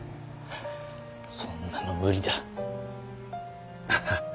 そんなの無理だ。